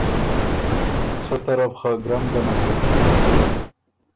سۀ طرف خه ګرم ګه نک بُکِن